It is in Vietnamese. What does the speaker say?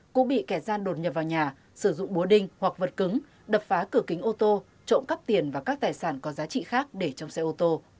cũng bị kẻ gian đột nhập vào nhà sử dụng búa đinh hoặc vật cứng đập phá cửa kính ô tô trộm cắp tiền và các tài sản có giá trị khác để trong xe ô tô